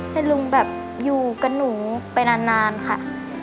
ให้ลุงแบบอยู่กับหนูไปนานค่ะ